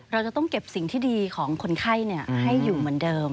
เราจะต้องเก็บสิ่งที่ดีของคนไข้ให้อยู่เหมือนเดิม